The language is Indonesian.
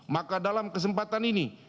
maka dalam kesempatan ini